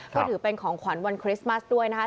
ก็ถือเป็นของขวัญวันคริสต์มัสด้วยนะครับ